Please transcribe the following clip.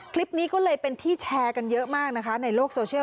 คลิปนี้ก็เลยเป็นที่แชร์กันเยอะมากนะคะในโลกโซเชียล